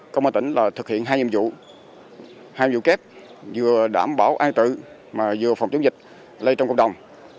công an tỉnh thực hiện hai nhiệm vụ hai vụ kép vừa đảm bảo an tự mà vừa phòng chống dịch lây trong cộng đồng